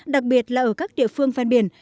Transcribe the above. đặc biệt là ở các địa phương phan biển